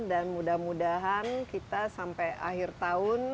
dan mudah mudahan kita sampai akhir tahun